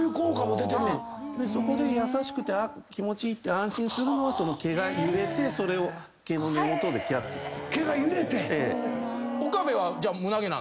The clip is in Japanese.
そこで優しくて気持ちいいって安心するのは毛が揺れてそれを毛の根元でキャッチしてる。